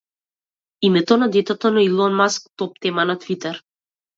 Името на детето на Илон Маск топ тема на Твитер